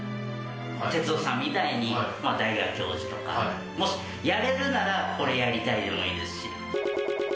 哲夫さんみたいにまあ大学教授とかもしやれるならこれやりたいでもいいですし。